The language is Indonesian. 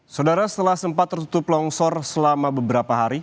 saudara setelah sempat tertutup longsor selama beberapa hari